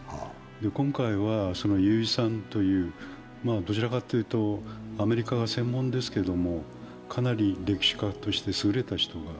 今回は油井さんという、どちらかというとアメリカが専門ですけどかなり歴史家として優れた人が。